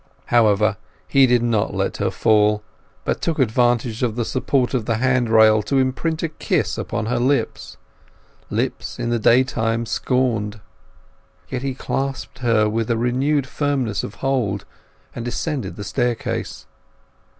However, he did not let her fall, but took advantage of the support of the handrail to imprint a kiss upon her lips—lips in the day time scorned. Then he clasped her with a renewed firmness of hold, and descended the staircase.